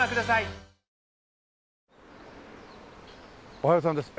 おはようさんです。